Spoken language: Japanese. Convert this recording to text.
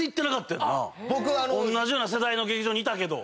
同じような世代の劇場いたけど。